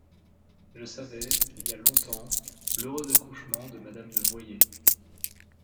Je savais, il y a longtemps, l’heureux accouchement de Mme de Voyer.